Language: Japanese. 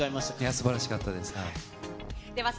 すばらしかったです。